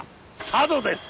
佐渡です。